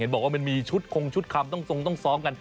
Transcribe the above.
เห็นบอกว่ามันมีชุดคงชุดคำต้องซ้องกัน